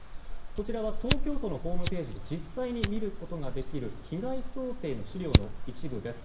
こちらは東京都のホームページで実際に見ることができる被害想定の資料の一部です。